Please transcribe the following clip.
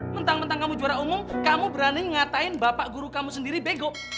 mentang mentang kamu juara umum kamu berani ngatain bapak guru kamu sendiri bego